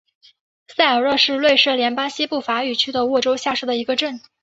塞尔热是瑞士联邦西部法语区的沃州下设的一个镇。